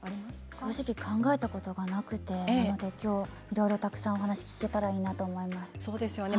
正直、考えたことはなくてきょういろいろたくさんお話を聞けたらいいなと思います。